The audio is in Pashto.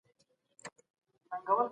د دوی فکر د هغه وخت اړتیا وه.